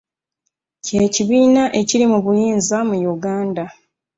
Kye kibiina ekiri mu buyinza mu Uganda